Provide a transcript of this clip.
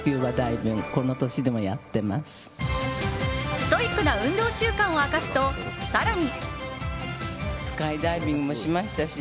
ストイックな運動習慣を明かすと、更に。